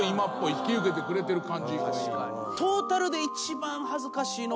引き受けてくれてる感じ。